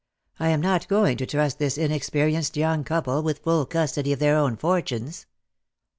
I am not going to trust this inexperienced young couple with full custody of their own fortunes.